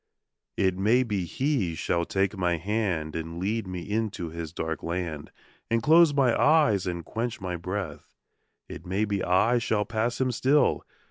It may be he shall take my hand And lead me into his dark land And close my eyes and quench my breath It may be I shall pass him still.